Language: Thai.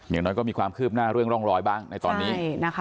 อย่างน้อยก็มีความคืบหน้าเรื่องร่องรอยบ้างในตอนนี้